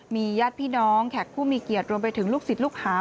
มีญาติพี่น้องแขกผู้มีเกียรติรวมไปถึงลูกศิษย์ลูกหา